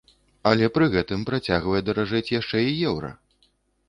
Але пры гэтым працягвае даражэць яшчэ і еўра!